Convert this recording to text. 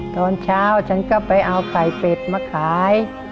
ตอนเช้าฉันก็ไปเอาไข่เป็ดมาขาย